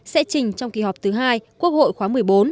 sẽ trình trong kỳ họp thứ hai quốc hội khóa một mươi bốn